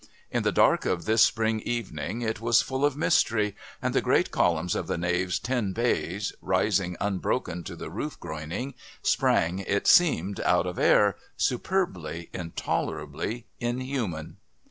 In the dark of this spring evening it was full of mystery, and the great columns of the nave's ten bays, rising unbroken to the roof groining, sprang, it seemed, out of air, superbly, intolerably inhuman.